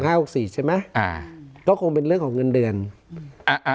หกสี่ใช่ไหมอ่าก็คงเป็นเรื่องของเงินเดือนอืมอ่าอ่า